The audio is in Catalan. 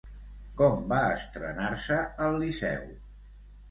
Com va estrenar-se al Liceu?